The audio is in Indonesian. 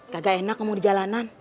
kagak enak kamu di jalanan